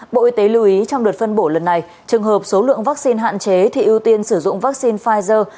bộ y tế lưu ý trong đợt phân bổ lần này trường hợp số lượng vaccine hạn chế thì ưu tiên sử dụng vaccine pfizer